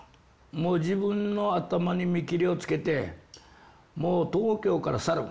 もう自分の頭に見切りをつけてもう東京から去る。